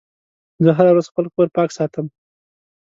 زه هره ورځ خپل کور پاک ساتم.